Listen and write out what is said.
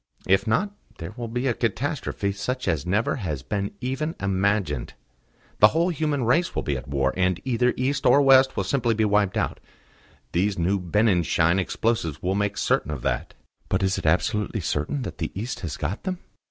"If not, there will be a catastrophe such as never has been even imagined. The whole human race will be at war, and either East or West will be simply wiped out. These new Benninschein explosives will make certain of that." "But is it absolutely certain that the East has got them?"